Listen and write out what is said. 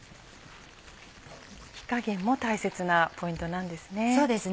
火加減も大切なポイントなんですね。